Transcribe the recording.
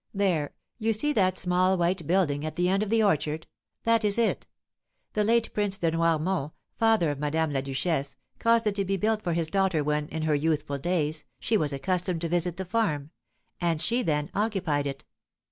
There, you see that small white building at the end of the orchard that is it. The late Prince de Noirmont, father of Madame la Duchesse, caused it to be built for his daughter when, in her youthful days, she was accustomed to visit the farm, and she then occupied it.